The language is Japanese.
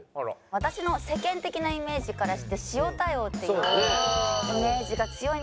私の世間的なイメージからして塩対応っていうイメージが強いんじゃないかなと思って。